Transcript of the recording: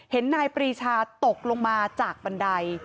นายปรีชาตกลงมาจากบันได